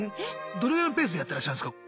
どれぐらいのペースでやってらっしゃるんすか？